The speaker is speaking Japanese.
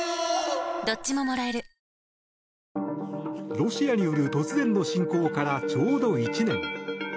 ロシアによる突然の侵攻からちょうど１年。